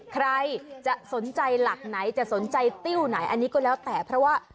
ใครจะสนใจหลักไหนจะสนใจติ้วไหนอันนี้ก็แล้วแต่เพราะว่า